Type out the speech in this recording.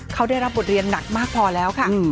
เขาได้รับบทเรียนหนักมากพอแล้วค่ะ